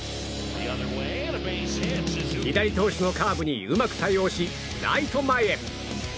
左投手のカーブにうまく対応し、ライト前へ。